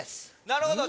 なるほど。